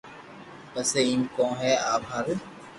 پسي ايم ڪون ھي آپ ھارو